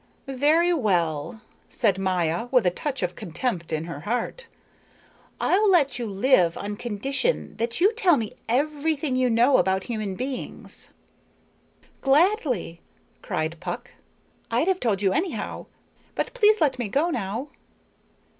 "Very well," said Maya with a touch of contempt in her heart, "I'll let you live on condition that you tell me everything you know about human beings." "Gladly," cried Puck. "I'd have told you anyhow. But please let me go now."